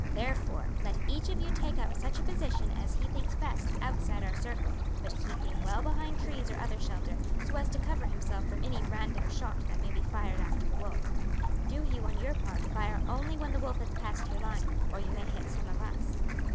Therefore, let each of you take up such a position as he thinks best outside our circle, but keeping well behind trees or other shelter, so as to cover himself from any random shot that may be fired after the wolf. Do you, on your part, fire only when the wolf has passed your line, or you may hit some of us."